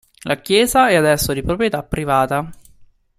La chiesa è adesso di proprietà privata.